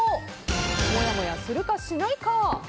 もやもやするか、しないか。